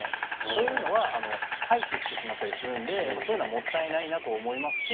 そういうのは廃棄してしまったりするんでやっぱそういうのはもったいないなと思いますし。